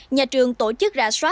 nhà trường tổ chức ra sát